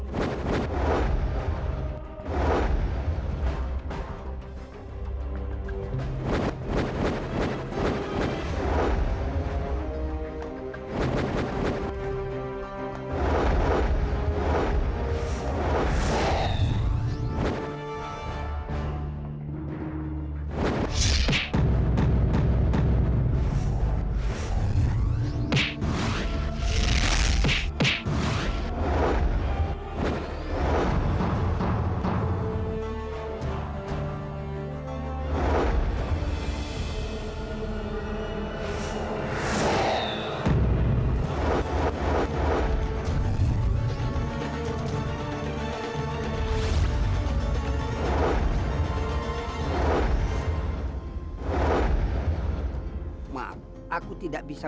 baik kakek guru